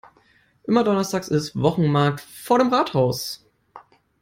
Immer donnerstags ist Wochenmarkt vor dem Rathaus.